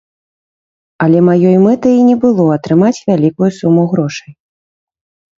Але маёй мэтай і не было атрымаць вялікую суму грошай.